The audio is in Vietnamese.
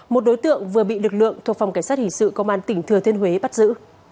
một đối tượng vừa bị lực lượng thuộc phòng cảnh sát hình sự công an tỉnh thừa thiên huế bắt giữ